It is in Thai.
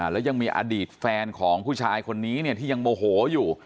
แล้วยังมีอดีตแฟนของผู้ชายคนนี้ที่ยังโมโหอยู่